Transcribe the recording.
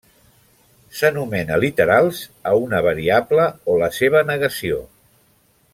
S'anomena literals a una variable o la seva negació.